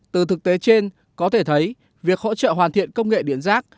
từ thực tế trên có thể thấy việc hỗ trợ hoàn thiện công nghệ điện rác